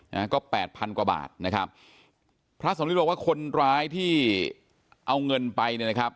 นะฮะก็แปดพันกว่าบาทนะครับพระสำริทบอกว่าคนร้ายที่เอาเงินไปเนี่ยนะครับ